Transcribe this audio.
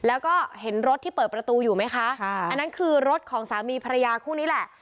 แล้วก็เห็นรถที่เปิดประตูอยู่ไหมคะค่ะอันนั้นคือรถของสามีภรรยาคู่นี้แหละ